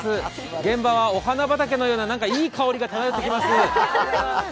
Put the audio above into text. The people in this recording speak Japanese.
現場はお花畑のようないい香りが漂ってきます。